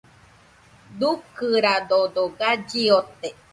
Dukɨradodo galli ote.